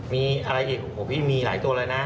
มีอะไรอีกโอ้โหพี่มีหลายตัวเลยนะ